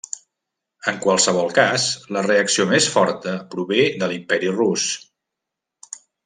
En qualsevol cas, la reacció més forta prové de l'Imperi Rus.